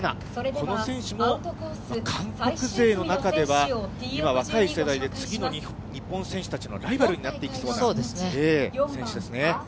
この選手も韓国勢の中では、今、若い世代で、次の日本選手たちのライバルになっていきそうな選手ですね。